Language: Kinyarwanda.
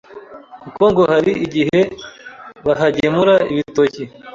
kuko ngo hari igihe bahagemura ibitoki